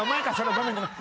ごめんごめん。